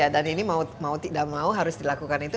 dan ini mau tidak mau harus dilakukan itu